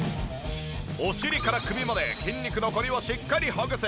お尻から首まで筋肉のコリをしっかりほぐす。